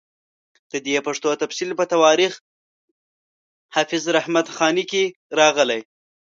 د دې پېښو تفصیل په تواریخ حافظ رحمت خاني کې راغلی.